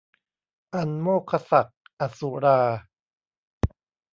อันโมกขศักดิ์อสุรา